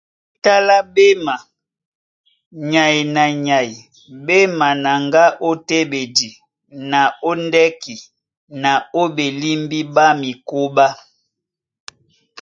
Jǐta lá ɓéma, nyay na nyay ɓé manaŋgá ó téɓedi na ó ndɛ́ki na ó ɓelímbí ɓá mikóɓá.